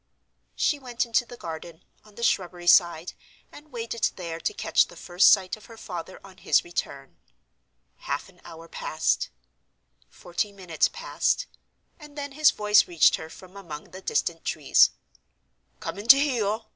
She went into the garden, on the shrubbery side; and waited there to catch the first sight of her father on his return. Half an hour passed; forty minutes passed—and then his voice reached her from among the distant trees. "Come in to heel!"